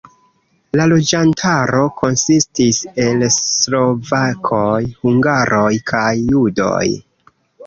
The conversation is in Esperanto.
La loĝantaro konsistis el slovakoj, hungaroj kaj judoj.